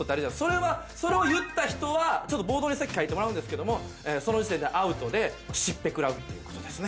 それはそれを言った人はボードに先書いてもらうんですけどその時点でアウトでしっぺ食らうっていうことですね